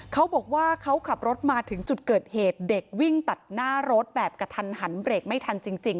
เขาบอกว่าเขาขับรถมาถึงจุดเกิดเหตุเด็กวิ่งตัดหน้ารถแบบกระทันหันเบรกไม่ทันจริง